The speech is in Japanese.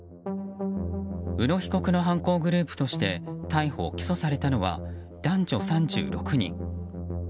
宇野被告の犯行グループとして逮捕・起訴されたのは男女３６人。